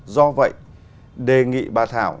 do vậy đề nghị bà thảo